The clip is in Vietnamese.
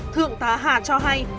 thượng tá hà cho hay